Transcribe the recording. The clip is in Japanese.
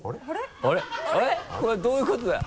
これはどういうことだ？